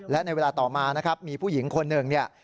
และในเวลาต่อมานะครับมีผู้หญิงคนหนึ่งเนี่ย